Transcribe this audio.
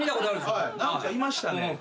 何かいましたね。